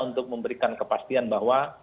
untuk memberikan kepastian bahwa